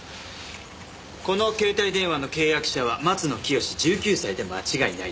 この携帯電話の契約者は松野聖１９歳で間違いないです。